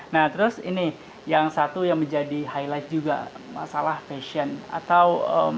nah terus ini yang satu yang menjadi highlight juga masalah fashion atau